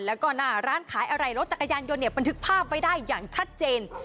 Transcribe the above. แล้วก็หน้าร้านขายอะไรรถจักรยานยนต์เนี่ยบันทึกภาพไว้ได้อย่างชัดเจน